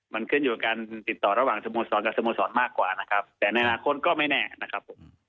มันขึ้นอยู่กับการติดต่อระหว่างสโมสรกับสโมสรมากกว่านะครับแต่ในอนาคตก็ไม่แน่นะครับผม